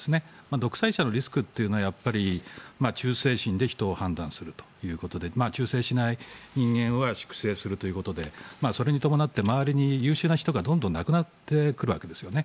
独裁者のリスクというのはやっぱり忠誠心で人を判断するということで忠誠しない人間は粛清するということでそれに伴って周りに優秀な人がどんどんいなくなってくるわけですね。